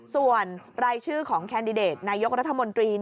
ส่วนรายชื่อของแคนดิเดตนายกรัฐมนตรี